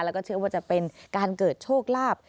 แล้วก็เชื่อว่าจะเป็นการเกิดโชคลาภ